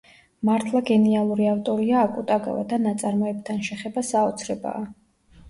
მართლა გენიალური ავტორია აკუტაგავა და ნაწარმოებთან შეხება საოცრებაა.